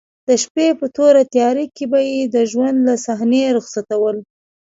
د شپې په توره تیاره کې به یې د ژوند له صحنې رخصتول.